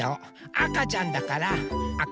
あかちゃんだからあかね。